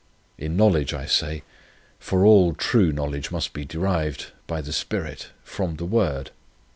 In knowledge I say; for all true knowledge must be derived, by the Spirit, from the Word.